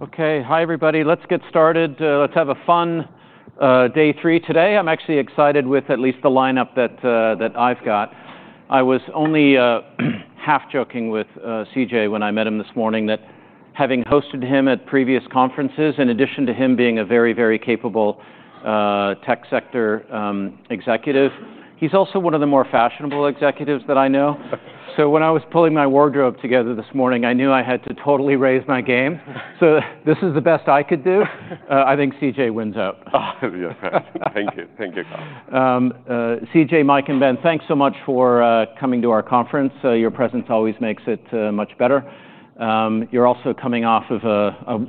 Okay, hi everybody. Let's get started. Let's have a fun day three today. I'm actually excited with at least the lineup that, that I've got. I was only half-joking with CJ when I met him this morning that having hosted him at previous conferences, in addition to him being a very, very capable tech sector executive, he's also one of the more fashionable executives that I know. So when I was pulling my wardrobe together this morning, I knew I had to totally raise my game. So this is the best I could do. I think CJ wins out. Oh, yeah. Thank you. Thank you, Carl. CJ, Mike, and Ben, thanks so much for coming to our conference. Your presence always makes it much better. You're also coming off of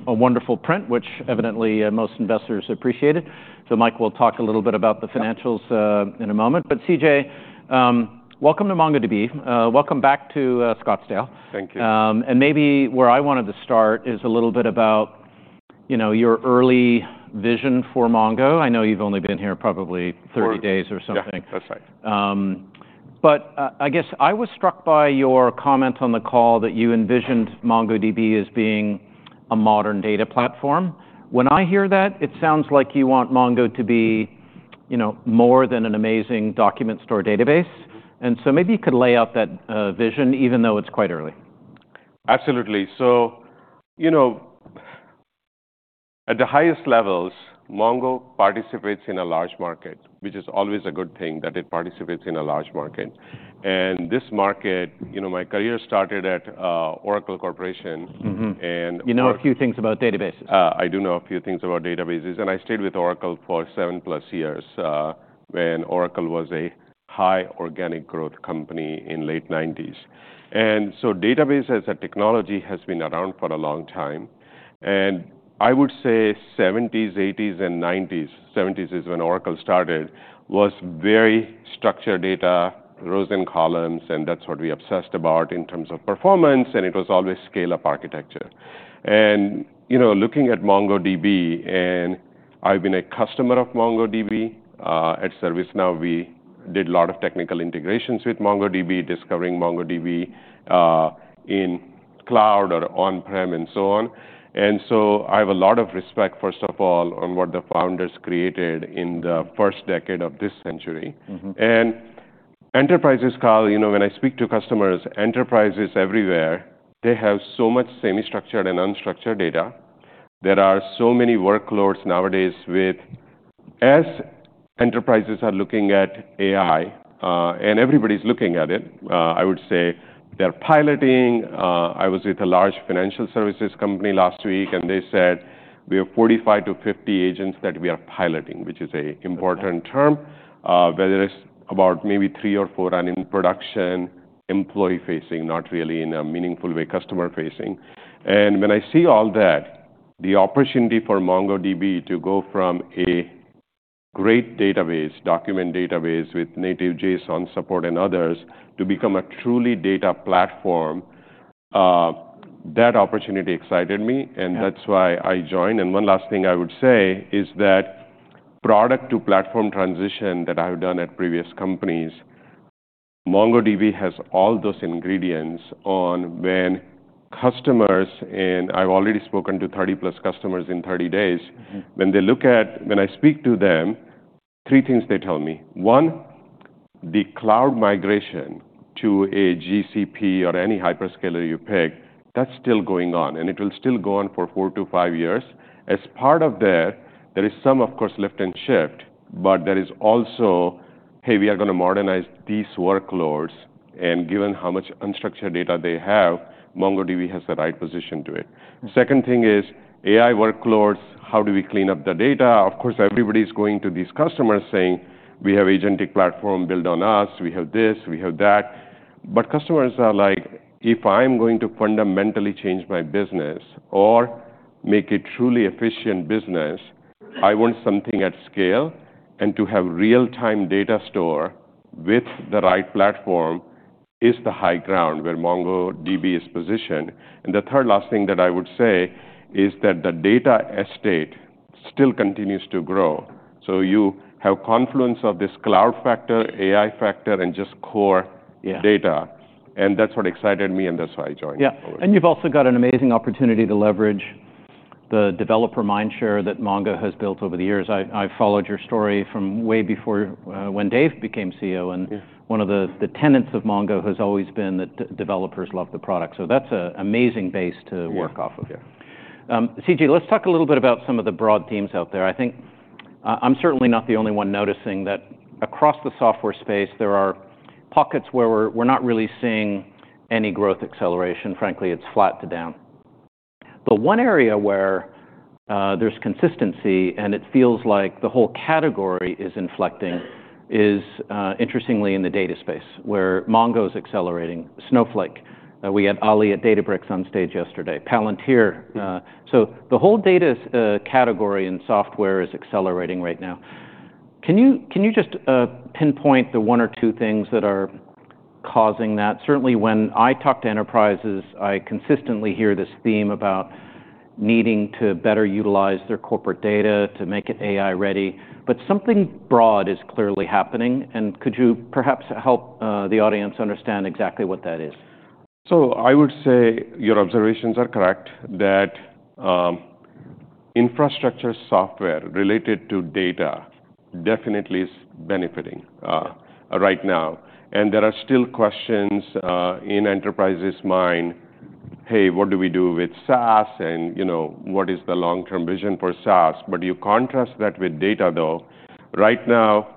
a wonderful print, which evidently most investors appreciated, so Mike will talk a little bit about the financials in a moment, but CJ, welcome to MongoDB. Welcome back to Scottsdale. Thank you. And maybe where I wanted to start is a little bit about, you know, your early vision for Mongo. I know you've only been here probably 30 days or something. Yeah. That's right. But, I guess I was struck by your comment on the call that you envisioned MongoDB as being a modern data platform. When I hear that, it sounds like you want Mongo to be, you know, more than an amazing document store database. And so maybe you could lay out that vision even though it's quite early. Absolutely. So, you know, at the highest levels, Mongo participates in a large market, which is always a good thing that it participates in a large market. And this market, you know, my career started at Oracle Corporation. Mm-hmm. And. You know a few things about databases. I do know a few things about databases. And I stayed with Oracle for 7+ years, when Oracle was a high organic growth company in late 1990s. And so database as a technology has been around for a long time. And I would say 1970s, 1980s, and 1990s, 1970s is when Oracle started, was very structured data, rows and columns, and that's what we obsessed about in terms of performance, and it was always scale-up architecture. And, you know, looking at MongoDB, and I've been a customer of MongoDB, at ServiceNow, we did a lot of technical integrations with MongoDB, discovering MongoDB, in cloud or on-prem and so on. And so I have a lot of respect, first of all, on what the founders created in the first decade of this century. Mm-hmm. Enterprises, Carl, you know, when I speak to customers, enterprises everywhere, they have so much semi-structured and unstructured data. There are so many workloads nowadays with, as enterprises are looking at AI, and everybody's looking at it. I would say they're piloting. I was with a large financial services company last week, and they said we have 45-50 agents that we are piloting, which is an important term, whether it's about maybe three or four and in production, employee-facing, not really in a meaningful way customer-facing. When I see all that, the opportunity for MongoDB to go from a great database, document database with native JSON support and others, to become a truly data platform, that opportunity excited me. Mm-hmm. And that's why I joined. And one last thing I would say is that product-to-platform transition that I've done at previous companies, MongoDB has all those ingredients on when customers (and I've already spoken to 30+ customers in 30 days) when they look at, when I speak to them, three things they tell me. One, the cloud migration to a GCP or any hyperscaler you pick, that's still going on, and it will still go on for four to five years. As part of that, there is some, of course, lift and shift, but there is also, hey, we are gonna modernize these workloads. And given how much unstructured data they have, MongoDB has the right position to it. Mm-hmm. Second thing is AI workloads, how do we clean up the data? Of course, everybody's going to these customers saying, "We have agentic platform built on us. We have this. We have that." But customers are like, "If I'm going to fundamentally change my business or make it truly efficient business, I want something at scale." And to have real-time data store with the right platform is the high ground where MongoDB is positioned. And the third last thing that I would say is that the data estate still continues to grow. So you have confluence of this cloud factor, AI factor, and just core. Yeah. Data, and that's what excited me, and that's why I joined. Yeah. MongoDB. And you've also got an amazing opportunity to leverage the developer mindshare that Mongo has built over the years. I followed your story from way before, when Dave became CEO, and. Yeah. One of the tenets of Mongo has always been that developers love the product. So that's an amazing base to work off of. Yeah. Yeah. CJ, let's talk a little bit about some of the broad themes out there. I think, I'm certainly not the only one noticing that across the software space, there are pockets where we're not really seeing any growth acceleration. Frankly, it's flat to down. But one area where, there's consistency and it feels like the whole category is inflecting is, interestingly in the data space where Mongo's accelerating, Snowflake. We had Ali at Databricks on stage yesterday. Palantir, so the whole data's category in software is accelerating right now. Can you just pinpoint the one or two things that are causing that? Certainly, when I talk to enterprises, I consistently hear this theme about needing to better utilize their corporate data to make it AI-ready. But something broad is clearly happening. And could you perhaps help the audience understand exactly what that is? So I would say your observations are correct that infrastructure software related to data definitely is benefiting right now. And there are still questions in enterprises' mind, "Hey, what do we do with SaaS?" and, you know, "What is the long-term vision for SaaS?" But you contrast that with data, though. Right now,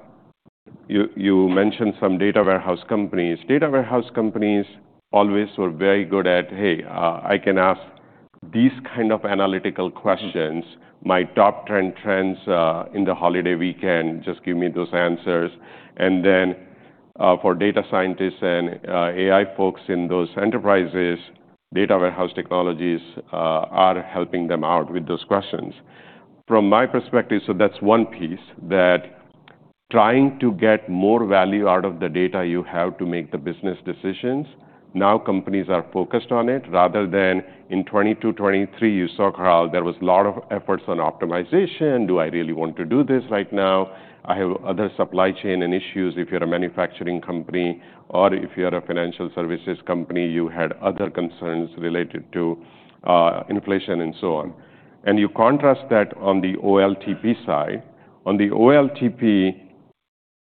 you, you mentioned some data warehouse companies. Data warehouse companies always were very good at, "Hey, I can ask these kind of analytical questions. My top 10 trends in the holiday weekend, just give me those answers." And then, for data scientists and AI folks in those enterprises, data warehouse technologies are helping them out with those questions. From my perspective, so that's one piece that trying to get more value out of the data you have to make the business decisions. Now companies are focused on it rather than in 2022, 2023, you saw, Carl, there was a lot of efforts on optimization. Do I really want to do this right now? I have other supply chain and issues. If you're a manufacturing company or if you're a financial services company, you had other concerns related to inflation and so on, you contrast that on the OLTP side. On the OLTP,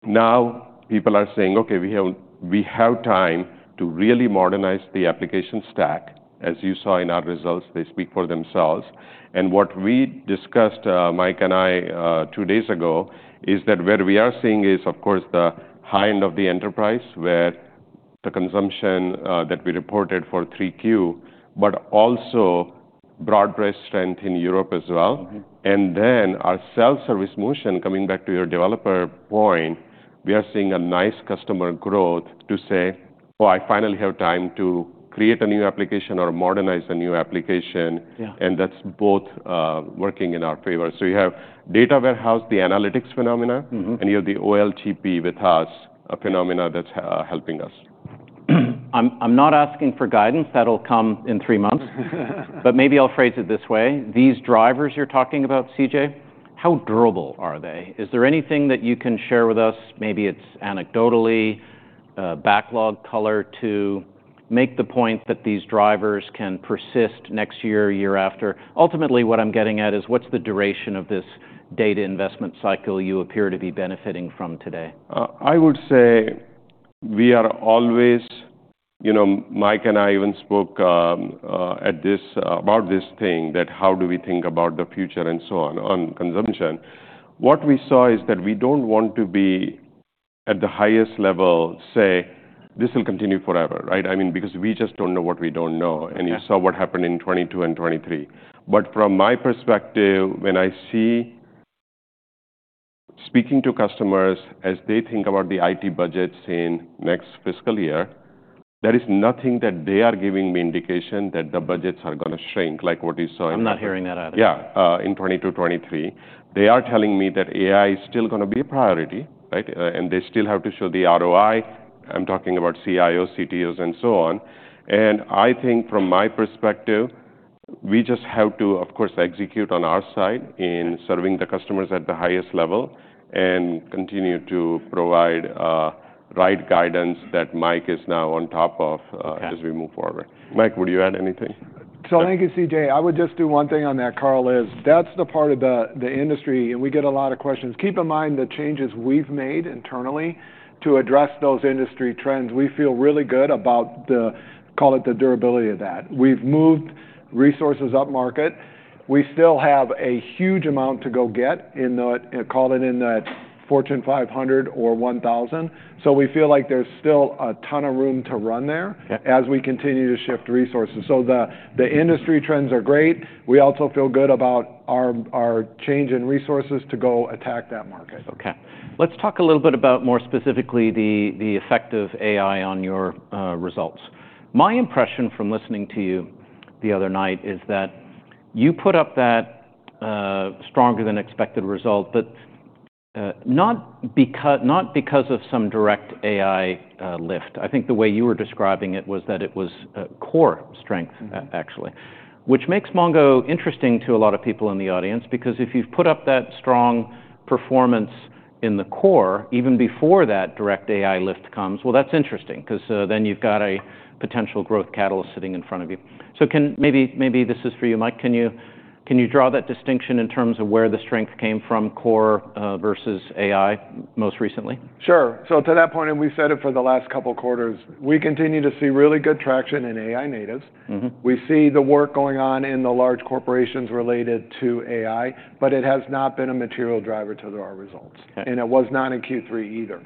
now people are saying, "Okay, we have, we have time to really modernize the application stack," as you saw in our results. They speak for themselves. What we discussed, Mike and I, two days ago is that where we are seeing is, of course, the high end of the enterprise where the consumption, that we reported for 3Q, but also broad brush strength in Europe as well. Mm-hmm. And then our self-service motion, coming back to your developer point, we are seeing a nice customer growth to say, "Oh, I finally have time to create a new application or modernize a new application. Yeah. And that's both, working in our favor. So you have data warehouse, the analytics phenomenon. Mm-hmm. You have the OLTP with us, a phenomenon that's helping us. I'm not asking for guidance. That'll come in three months. But maybe I'll phrase it this way. These drivers you're talking about, CJ, how durable are they? Is there anything that you can share with us? Maybe it's anecdotally, backlog color to make the point that these drivers can persist next year, year after. Ultimately, what I'm getting at is what's the duration of this data investment cycle you appear to be benefiting from today? I would say we are always, you know, Mike and I even spoke, at this, about this thing that how do we think about the future and so on on consumption. What we saw is that we don't want to be at the highest level, say, "This will continue forever," right? I mean, because we just don't know what we don't know. Yeah. You saw what happened in 2022 and 2023. From my perspective, when I see speaking to customers as they think about the IT budgets in next fiscal year, there is nothing that they are giving me indication that the budgets are gonna shrink like what you saw in. I'm not hearing that either. Yeah. In 2022, 2023. They are telling me that AI is still gonna be a priority, right? And they still have to show the ROI. I'm talking about CIOs, CTOs, and so on. And I think from my perspective, we just have to, of course, execute on our side in serving the customers at the highest level and continue to provide, right guidance that Mike is now on top of. Yeah. As we move forward. Mike, would you add anything? So thank you, CJ. I would just do one thing on that, Carl, is that's the part of the industry, and we get a lot of questions. Keep in mind the changes we've made internally to address those industry trends. We feel really good about the, call it the durability of that. We've moved resources upmarket. We still have a huge amount to go get in that, call it in that Fortune 500 or 1,000. So we feel like there's still a ton of room to run there. Yeah. As we continue to shift resources. So the industry trends are great. We also feel good about our change in resources to go attack that market. Okay. Let's talk a little bit about more specifically the effect of AI on your results. My impression from listening to you the other night is that you put up that stronger-than-expected result, but not because of some direct AI lift. I think the way you were describing it was that it was a core strength, actually, which makes Mongo interesting to a lot of people in the audience because if you've put up that strong performance in the core even before that direct AI lift comes, well, that's interesting 'cause then you've got a potential growth catalyst sitting in front of you. So maybe this is for you, Mike. Can you draw that distinction in terms of where the strength came from core versus AI most recently? Sure. So to that point, and we've said it for the last couple quarters, we continue to see really good traction in AI natives. Mm-hmm. We see the work going on in the large corporations related to AI, but it has not been a material driver to our results. Okay. It was not in Q3 either.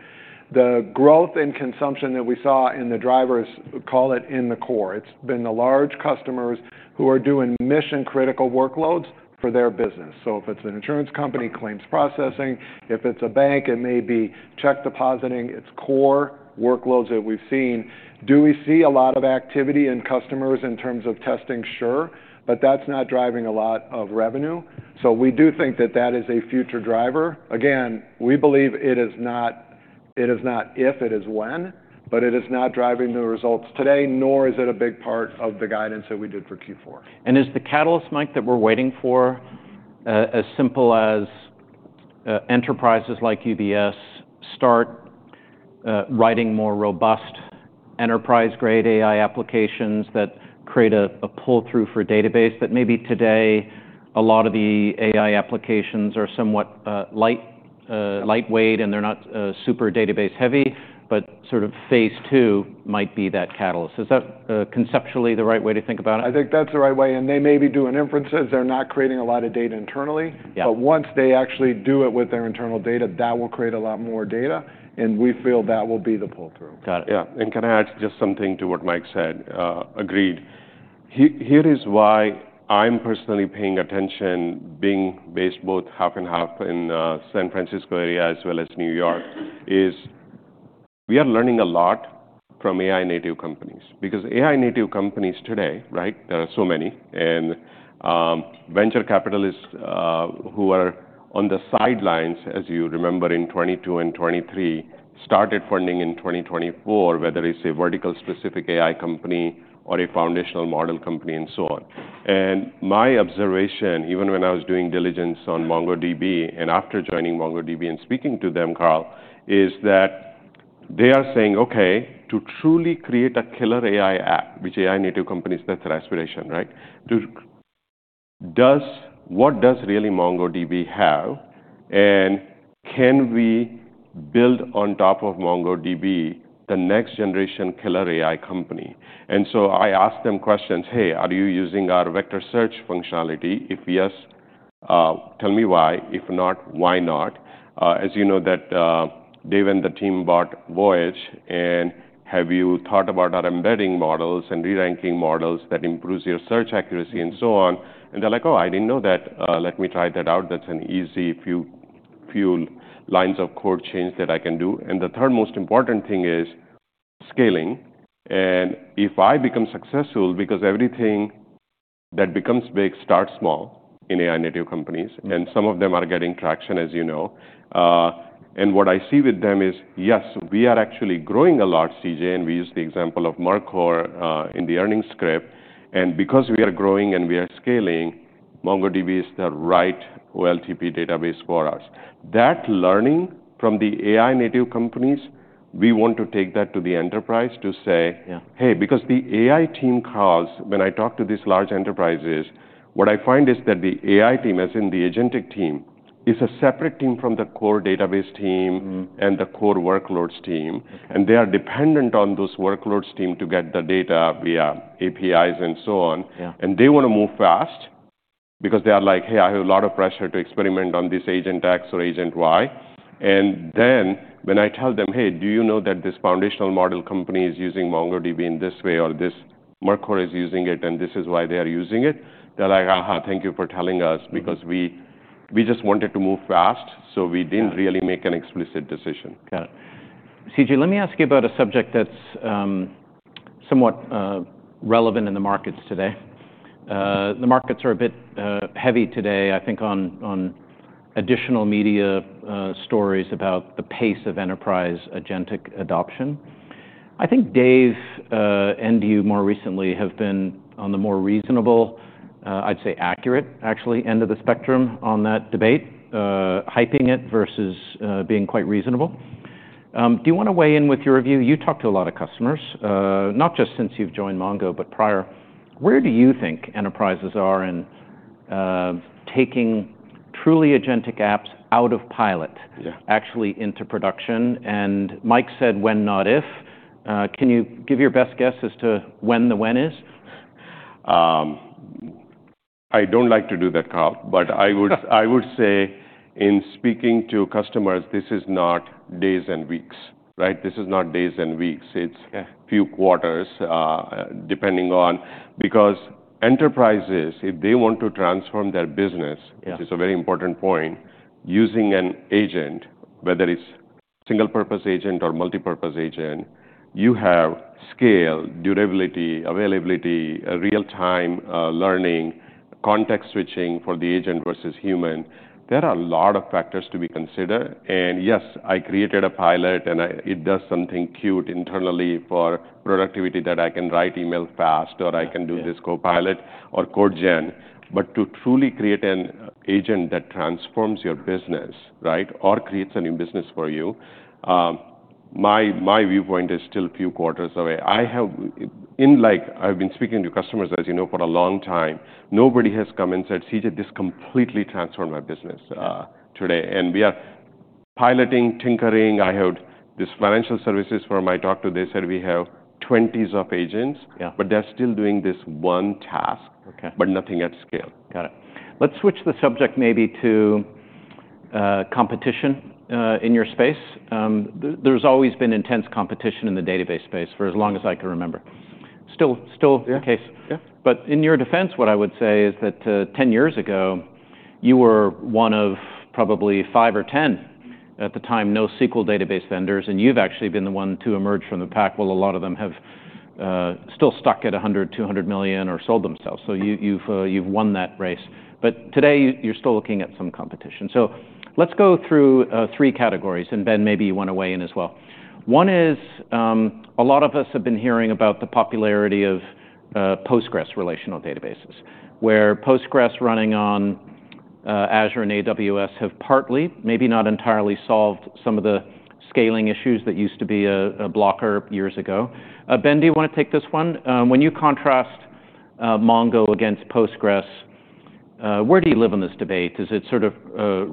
The growth and consumption that we saw in the drivers, call it in the core, it's been the large customers who are doing mission-critical workloads for their business. So if it's an insurance company, claims processing, if it's a bank, it may be check depositing. It's core workloads that we've seen. Do we see a lot of activity in customers in terms of testing? Sure. But that's not driving a lot of revenue. So we do think that that is a future driver. Again, we believe it is not, it is not if, it is when, but it is not driving the results today, nor is it a big part of the guidance that we did for Q4. Is the catalyst, Mike, that we're waiting for, as simple as enterprises like UBS start writing more robust enterprise-grade AI applications that create a, a pull-through for database that maybe today a lot of the AI applications are somewhat light, lightweight, and they're not super database-heavy, but sort of phase two might be that catalyst? Is that conceptually the right way to think about it? I think that's the right way, and they may be doing inferences. They're not creating a lot of data internally. Yeah. But once they actually do it with their internal data, that will create a lot more data, and we feel that will be the pull-through. Got it. Yeah. And can I add just something to what Mike said? Agreed. Here is why I'm personally paying attention, being based both half and half in the San Francisco area as well as New York, is we are learning a lot from AI-native companies because AI-native companies today, right? There are so many. And venture capitalists, who are on the sidelines, as you remember in 2022 and 2023, started funding in 2024, whether it's a vertical-specific AI company or a foundational model company and so on. And my observation, even when I was doing diligence on MongoDB and after joining MongoDB and speaking to them, Carl, is that they are saying, "Okay, to truly create a killer AI app," which AI-native companies, that's their aspiration, right? "To do so, what does MongoDB really have? Can we build on top of MongoDB the next-generation killer AI company?" And so I asked them questions, "Hey, are you using our vector search functionality? If yes, tell me why. If not, why not?" As you know that, Dave and the team bought Voyage, and have you thought about our embedding models and re-ranking models that improves your search accuracy and so on? And they're like, "Oh, I didn't know that. Let me try that out. That's an easy few lines of code change that I can do." The third most important thing is scaling. If I become successful, because everything that becomes big starts small in AI-native companies. Mm-hmm. And some of them are getting traction, as you know. And what I see with them is, yes, we are actually growing a lot, CJ, and we use the example of Mercor, in the earnings script. And because we are growing and we are scaling, MongoDB is the right OLTP database for us. That learning from the AI-native companies, we want to take that to the enterprise to say. Yeah. Hey, because the AI team, Carl, when I talk to these large enterprises, what I find is that the AI team, as in the agentic team, is a separate team from the core database team. Mm-hmm. And the core workloads team. Okay. They are dependent on those workloads team to get the data via APIs and so on. Yeah. And they wanna move fast because they are like, 'Hey, I have a lot of pressure to experiment on this agent X or agent Y.' And then when I tell them, 'Hey, do you know that this foundational model company is using MongoDB in this way or this? Mercor is using it, and this is why they are using it?' They're like, 'Aha, thank you for telling us because we, we just wanted to move fast.' So we didn't really make an explicit decision. Got it. CJ, let me ask you about a subject that's, somewhat, relevant in the markets today. The markets are a bit heavy today, I think, on additional media stories about the pace of enterprise agentic adoption. I think Dave and you more recently have been on the more reasonable, I'd say accurate, actually, end of the spectrum on that debate, hyping it versus being quite reasonable. Do you wanna weigh in with your view? You talk to a lot of customers, not just since you've joined Mongo, but prior. Where do you think enterprises are in taking truly agentic apps out of pilot? Yeah. Actually into production? And Mike said, "When, not if." Can you give your best guess as to when the when is? I don't like to do that, Carl, but I would, I would say in speaking to customers, this is not days and weeks, right? This is not days and weeks. It's. Yeah. Few quarters, depending on, because enterprises, if they want to transform their business. Yeah. Which is a very important point, using an agent, whether it's single-purpose agent or multi-purpose agent, you have scale, durability, availability, real-time, learning, context switching for the agent versus human. There are a lot of factors to be considered. And yes, I created a pilot, and it does something cute internally for productivity that I can write email fast or I can do this Copilot or CodeGen. But to truly create an agent that transforms your business, right, or creates a new business for you, my viewpoint is still few quarters away. Like, I've been speaking to customers, as you know, for a long time, nobody has come and said, "CJ, this completely transformed my business, today." And we are piloting, tinkering. I heard this financial services firm I talked to, they said we have twenties of agents. Yeah. But they're still doing this one task. Okay. But nothing at scale. Got it. Let's switch the subject maybe to competition in your space. There's always been intense competition in the database space for as long as I can remember. Still. Yeah. The case. Yeah. But in your defense, what I would say is that, 10 years ago, you were one of probably five or 10, at the time, NoSQL database vendors, and you've actually been the one to emerge from the pack while a lot of them have still stuck at 100, 200 million or sold themselves. So you've won that race. But today, you're still looking at some competition. So let's go through three categories, and then maybe you wanna weigh in as well. One is, a lot of us have been hearing about the popularity of Postgres relational databases where Postgres running on Azure and AWS have partly, maybe not entirely, solved some of the scaling issues that used to be a blocker years ago. Ben, do you wanna take this one? When you contrast Mongo against Postgres, where do you live in this debate? Is it sort of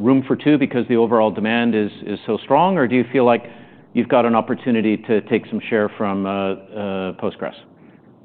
room for two because the overall demand is so strong, or do you feel like you've got an opportunity to take some share from Postgres?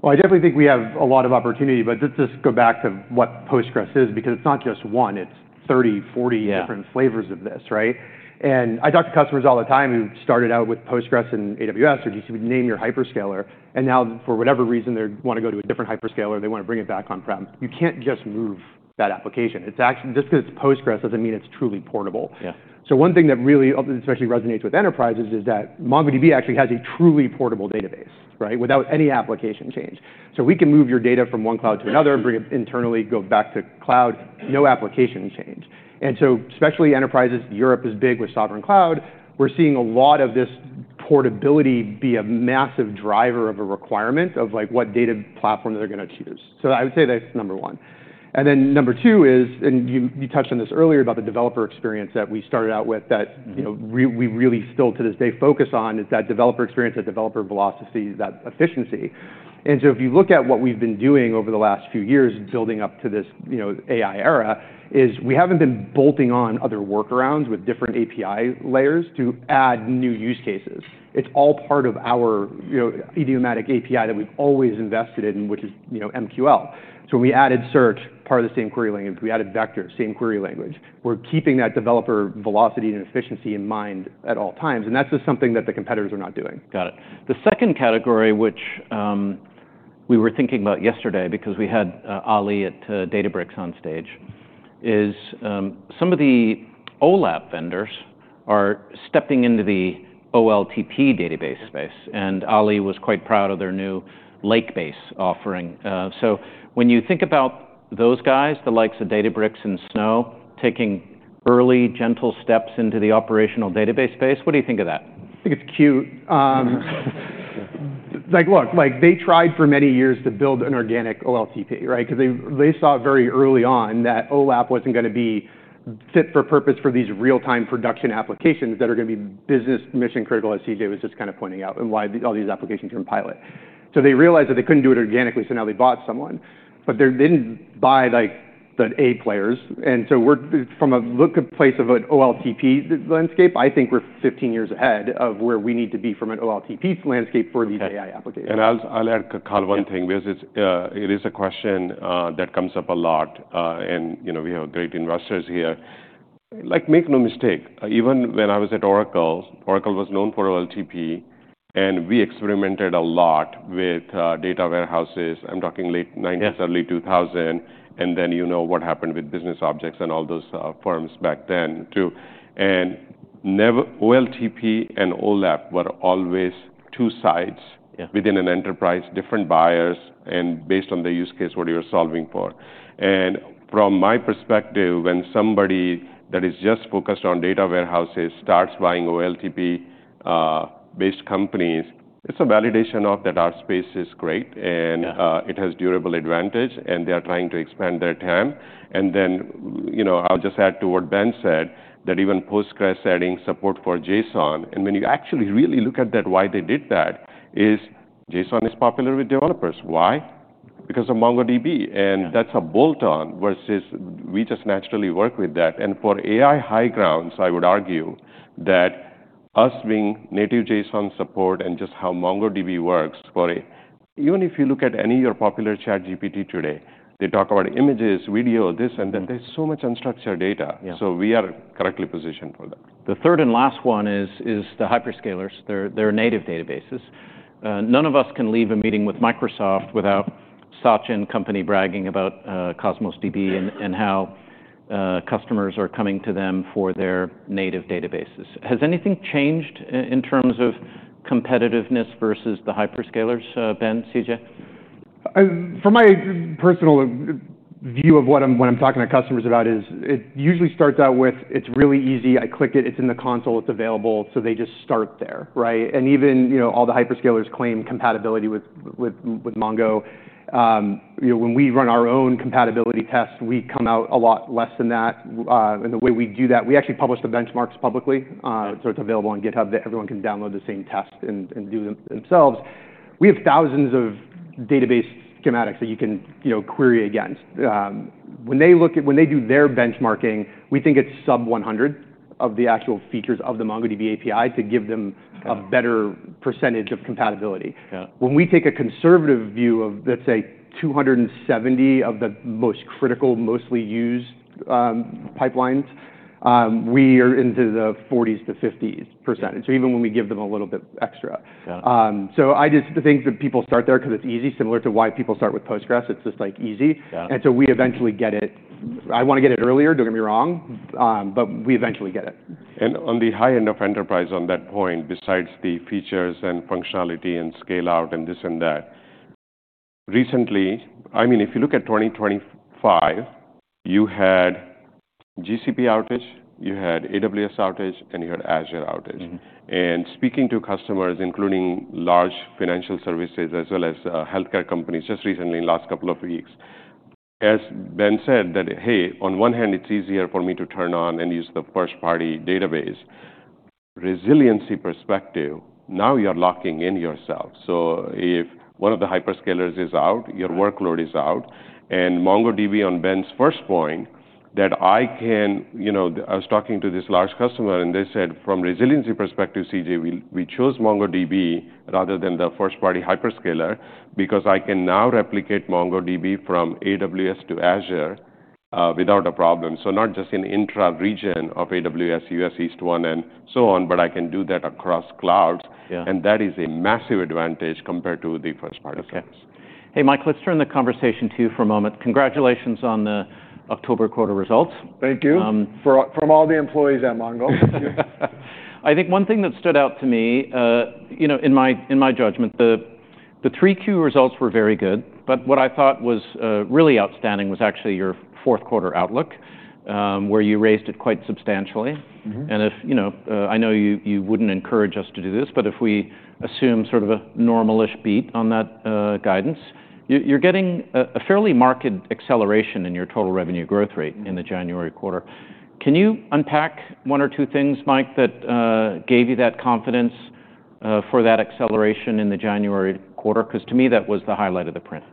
I definitely think we have a lot of opportunity, but let's just go back to what Postgres is because it's not just one. It's 30, 40. Yeah. Different flavors of this, right? And I talk to customers all the time who started out with Postgres and AWS or GC, name your hyperscaler, and now for whatever reason, they wanna go to a different hyperscaler, they wanna bring it back on-prem. You can't just move that application. It's actually just 'cause it's Postgres doesn't mean it's truly portable. Yeah. So one thing that really especially resonates with enterprises is that MongoDB actually has a truly portable database, right, without any application change. So we can move your data from one cloud to another, bring it internally, go back to cloud, no application change. And so especially enterprises, Europe is big with sovereign cloud. We're seeing a lot of this portability be a massive driver of a requirement of, like, what data platform they're gonna choose. So I would say that's number one. And then number two is, and you touched on this earlier about the developer experience that we started out with that, you know, we really still to this day focus on is that developer experience, that developer velocity, that efficiency. And so if you look at what we've been doing over the last few years building up to this, you know, AI era, is we haven't been bolting on other workarounds with different API layers to add new use cases. It's all part of our, you know, idiomatic API that we've always invested in, which is, you know, MQL. So we added search, part of the same query language. We added vector, same query language. We're keeping that developer velocity and efficiency in mind at all times, and that's just something that the competitors are not doing. Got it. The second category, which we were thinking about yesterday because we had Ali at Databricks on stage, is some of the OLAP vendors are stepping into the OLTP database space, and Ali was quite proud of their new Lakebase offering, so when you think about those guys, the likes of Databricks and Snow, taking early gentle steps into the operational database space, what do you think of that? I think it's cute. Like, look, like, they tried for many years to build an organic OLTP, right, 'cause they saw very early on that OLAP wasn't gonna be fit for purpose for these real-time production applications that are gonna be business mission-critical, as CJ was just kinda pointing out, and why all these applications are in pilot. So they realized that they couldn't do it organically, so now they bought someone, but they didn't buy like the A players, and so we're, from a look at the OLTP landscape, I think we're 15 years ahead of where we need to be from an OLTP landscape for these AI applications. And I'll add, Carl, one thing because it's a question that comes up a lot, and you know, we have great investors here. Like, make no mistake, even when I was at Oracle, Oracle was known for OLTP, and we experimented a lot with data warehouses. I'm talking late 1990s, early 2000, and then you know what happened with BusinessObjects and all those firms back then too. And never OLTP and OLAP were always two sides. Yeah. Within an enterprise, different buyers, and based on the use case, what you're solving for, and from my perspective, when somebody that is just focused on data warehouses starts buying OLTP-based companies, it's a validation of that our space is great and. Yeah. It has durable advantage, and they are trying to expand their team. And then, you know, I'll just add to what Ben said, that even Postgres adding support for JSON, and when you actually really look at that, why they did that is JSON is popular with developers. Why? Because of MongoDB, and that's a bolt-on versus we just naturally work with that. And for AI high ground, I would argue that us having native JSON support and just how MongoDB works for AI even if you look at any of your popular ChatGPT today, they talk about images, video, this, and that. There's so much unstructured data. Yeah. We are correctly positioned for that. The third and last one is the hyperscalers. They're native databases. None of us can leave a meeting with Microsoft without Satya and company bragging about Cosmos DB and how customers are coming to them for their native databases. Has anything changed in terms of competitiveness versus the hyperscalers, Ben, CJ? From my personal view of what I'm talking to customers about, it usually starts out with, "It's really easy. I click it. It's in the console. It's available." So they just start there, right? And even, you know, all the hyperscalers claim compatibility with Mongo. You know, when we run our own compatibility test, we come out a lot less than that. And the way we do that, we actually publish the benchmarks publicly. Yeah. So it's available on GitHub that everyone can download the same test and do them themselves. We have thousands of database schematics that you can, you know, query against. When they do their benchmarking, we think it's sub-100 of the actual features of the MongoDB API to give them a better percentage of compatibility. Yeah. When we take a conservative view of, let's say, 270 of the most critical, mostly used, pipelines, we are into the 40%-50%. So even when we give them a little bit extra. Yeah. So I just think that people start there 'cause it's easy, similar to why people start with Postgres. It's just like easy. Yeah. And so we eventually get it. I wanna get it earlier, don't get me wrong, but we eventually get it. On the high end of enterprise on that point, besides the features and functionality and scale-out and this and that, recently, I mean, if you look at 2025, you had GCP outage, you had AWS outage, and you had Azure outage. Mm-hmm. Speaking to customers, including large financial services as well as healthcare companies, just recently, in the last couple of weeks, as Ben said, that "Hey, on one hand, it's easier for me to turn on and use the first-party database." Resiliency perspective, now you're locking in yourself. So if one of the hyperscalers is out, your workload is out. And MongoDB, on Ben's first point, that I can, you know, I was talking to this large customer, and they said, "From resiliency perspective, CJ, we chose MongoDB rather than the first-party hyperscaler because I can now replicate MongoDB from AWS to Azure, without a problem." So not just in intra-region of AWS, US East, one end, so on, but I can do that across clouds. Yeah. That is a massive advantage compared to the first-party clouds. Okay. Hey, Mike, let's turn the conversation to you for a moment. Congratulations on the October quarter results. Thank you. From all the employees at Mongo. I think one thing that stood out to me, you know, in my judgment, the 3Q results were very good, but what I thought was really outstanding was actually your fourth quarter outlook, where you raised it quite substantially. Mm-hmm. If, you know, I know you, you wouldn't encourage us to do this, but if we assume sort of a normal-ish beat on that guidance, you're getting a fairly marked acceleration in your total revenue growth rate in the January quarter. Can you unpack one or two things, Mike, that gave you that confidence for that acceleration in the January quarter? 'Cause to me, that was the highlight of the print.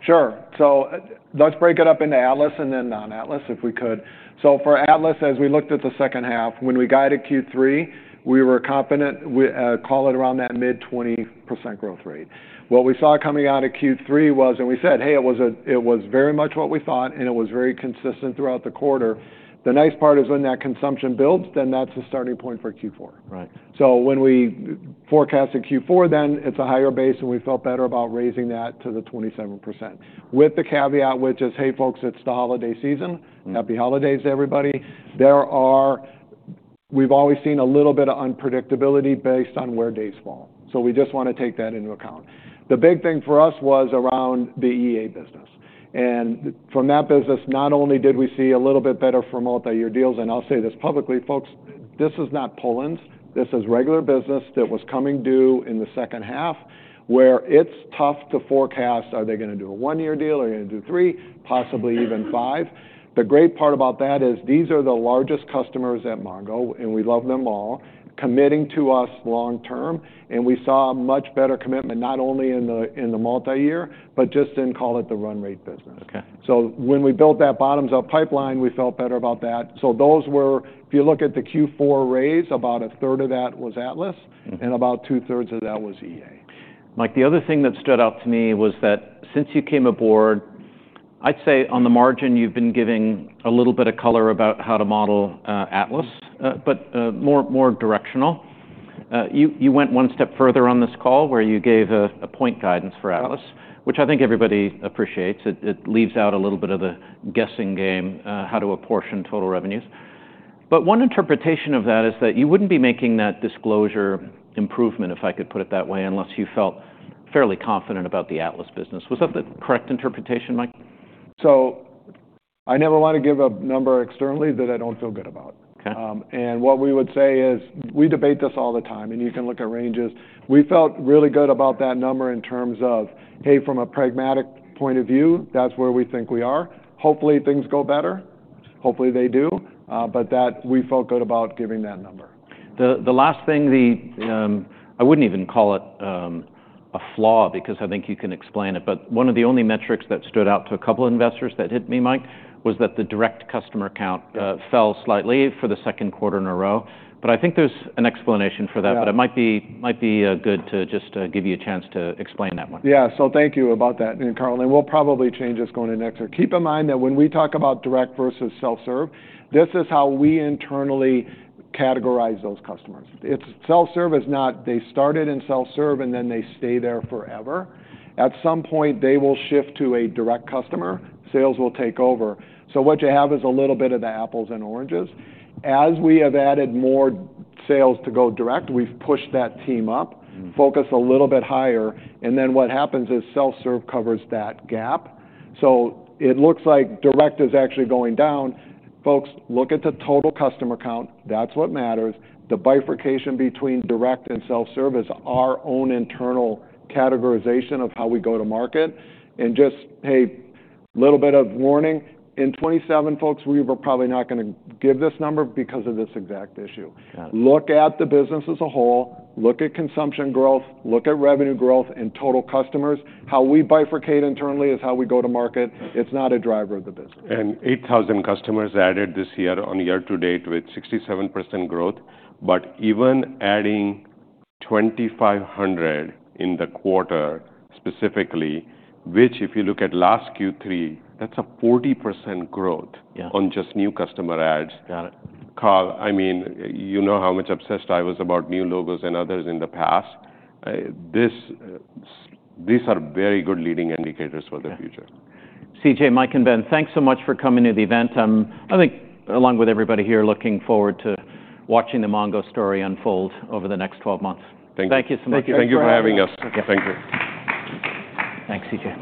Sure. So let's break it up into Atlas and then non-Atlas if we could. So for Atlas, as we looked at the second half, when we got at Q3, we were confident, we, call it around that mid-20% growth rate. What we saw coming out of Q3 was, and we said, "Hey, it was a, it was very much what we thought, and it was very consistent throughout the quarter." The nice part is when that consumption builds, then that's the starting point for Q4. Right. So when we forecasted Q4, then it's a higher base, and we felt better about raising that to the 27% with the caveat, which is, "Hey folks, it's the holiday season. Happy holidays to everybody." There are. We've always seen a little bit of unpredictability based on where days fall. So we just wanna take that into account. The big thing for us was around the EA business. And from that business, not only did we see a little bit better for multi-year deals, and I'll say this publicly, folks, this is not pilots. This is regular business that was coming due in the second half where it's tough to forecast, are they gonna do a one-year deal or are they gonna do three, possibly even five? The great part about that is these are the largest customers at Mongo, and we love them all, committing to us long-term, and we saw much better commitment not only in the multi-year, but just in, call it the run rate business. Okay. So when we built that bottoms-up pipeline, we felt better about that. So those were, if you look at the Q4 raise, about a third of that was Atlas. Mm-hmm. About two-thirds of that was EA. Mike, the other thing that stood out to me was that since you came aboard, I'd say on the margin, you've been giving a little bit of color about how to model Atlas, but more directional. You went one step further on this call where you gave a point guidance for Atlas, which I think everybody appreciates. It leaves out a little bit of the guessing game, how to apportion total revenues. But one interpretation of that is that you wouldn't be making that disclosure improvement, if I could put it that way, unless you felt fairly confident about the Atlas business. Was that the correct interpretation, Mike? I never wanna give a number externally that I don't feel good about. Okay. And what we would say is we debate this all the time, and you can look at ranges. We felt really good about that number in terms of, "Hey, from a pragmatic point of view, that's where we think we are. Hopefully, things go better." Hopefully, they do, but that we felt good about giving that number. The last thing, I wouldn't even call it a flaw because I think you can explain it, but one of the only metrics that stood out to a couple of investors that hit me, Mike, was that the direct customer count fell slightly for the second quarter in a row. But I think there's an explanation for that. Yeah. But it might be good to just give you a chance to explain that one. Yeah. So thank you about that, Carl, and we'll probably change this going into next year. Keep in mind that when we talk about direct versus self-serve, this is how we internally categorize those customers. It's self-serve, not they started in self-serve, and then they stay there forever. At some point, they will shift to a direct customer. Sales will take over. So what you have is a little bit of the apples and oranges. As we have added more sales to go direct, we've pushed that team up. Mm-hmm. Focus a little bit higher. And then what happens is self-serve covers that gap. So it looks like direct is actually going down. Folks, look at the total customer count. That's what matters. The bifurcation between direct and self-serve is our own internal categorization of how we go to market. And just, hey, little bit of warning. In 2027, folks, we were probably not gonna give this number because of this exact issue. Got it. Look at the business as a whole. Look at consumption growth. Look at revenue growth and total customers. How we bifurcate internally is how we go to market. It's not a driver of the business. 8,000 customers added this year on year to date with 67% growth. Even adding 2,500 in the quarter specifically, which if you look at last Q3, that's a 40% growth. Yeah. On just new customer adds. Got it. Carl, I mean, you know how much obsessed I was about new logos and others in the past. These are very good leading indicators for the future. CJ, Mike, and Ben, thanks so much for coming to the event. I think along with everybody here, looking forward to watching the Mongo story unfold over the next 12 months. Thank you. Thank you so much. Thank you for having us. Thank you. Thank you. Thanks, CJ.